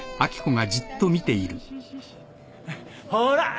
・ほら。